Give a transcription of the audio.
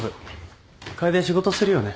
楓仕事するよね？